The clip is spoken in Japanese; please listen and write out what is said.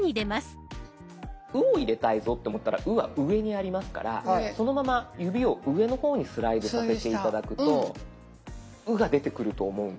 「う」を入れたいぞって思ったら「う」は上にありますからそのまま指を上の方にスライドさせて頂くと「う」が出てくると思うんです。